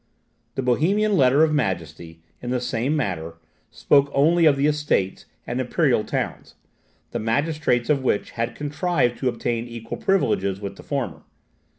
The Bohemian Letter of Majesty, in the same manner, spoke only of the Estates and imperial towns, the magistrates of which had contrived to obtain equal privileges with the former.